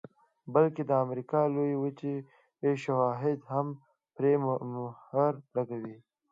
بلکې د امریکا لویې وچې شواهد هم پرې مهر لګوي